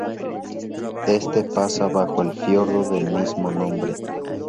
Este pasa bajo el fiordo del mismo nombre.